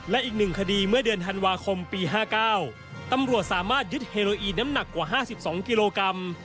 และอีก๑คดีเมื่อเดือนธันวาคมปี๕๙ตำรวจสามารถยึดเฮโรอีน้ำหนักกว่า๕๒กิโลกรัม